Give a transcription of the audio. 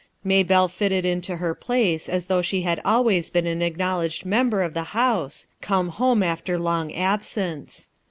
Maybelle fitted into her place as though she bad always been an acknowledged daughter of the house, come home after long absence.